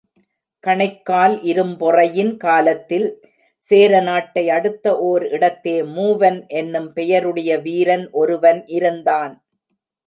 கணைக்கால் இரும்பொறையின் காலத்தில், சேர நாட்டை அடுத்த ஒர் இடத்தே, மூவன் எனும் பெயருடைய வீரன் ஒருவன் இருந்தான்.